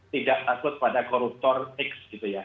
tidak takut pada koruptor x gitu ya